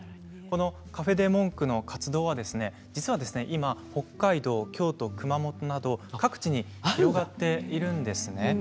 カフェ・デ・モンクの活動は実は北海道、京都、熊本など各地に広がっているんですね。